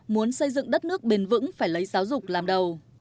muốn xây dựng đất nước bền vững phải lấy giáo dục làm đầu